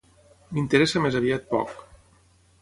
M'interessa més aviat poc.